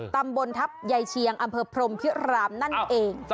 ตำบลทัพยายเชียงอำเภอพรมพิรามนั่นเอง